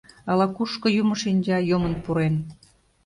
ала-кушко, юмо шинча, йомын пурен.